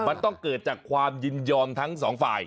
มันต้องเกิดจากความยินยอมทั้งสองฝ่าย